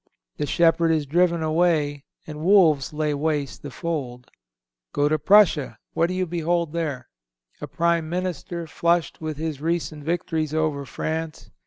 The shepherd is driven away and wolves lay waste the fold. Go to Prussia; what do you behold there? A Prime Minister flushed with his recent victories over France.